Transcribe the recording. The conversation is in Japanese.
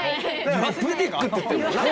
「ブティック」って言ってるもんな。